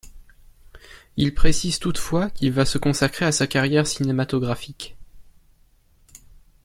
Il précise toutefois qu'il va se consacrer à sa carrière cinématographique.